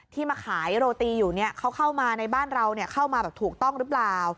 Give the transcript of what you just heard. มาขายโรตีอยู่เขาเข้ามาในบ้านเราเข้ามาแบบถูกต้องหรือเปล่า